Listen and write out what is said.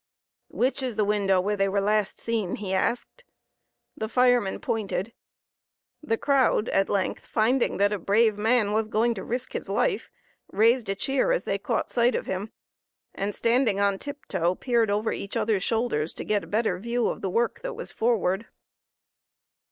"Which is the window where they were last seen?" he asked. The firemen pointed. The crowd at length finding that a brave man was going to risk his life, raised a cheer as they caught sight of him, and standing on tiptoe, peered over each other's shoulders to get a better view of the work that was forward.